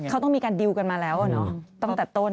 เขาต้องมีการดิวกันมาแล้วตั้งแต่ต้น